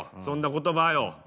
そんな言葉よ。